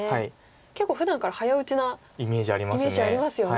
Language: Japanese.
結構ふだんから早打ちなイメージありますよね